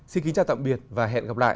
xin kính chào tạm biệt và hẹn gặp lại